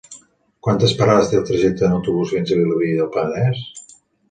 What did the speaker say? Quantes parades té el trajecte en autobús fins a Vilobí del Penedès?